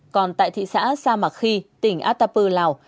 còn tại thị xã sa mạc khi tỉnh atapu lào